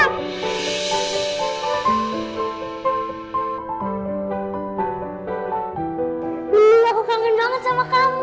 belum aku kangen banget sama kamu